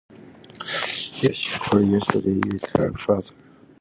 Yes, she called yesterday with her father.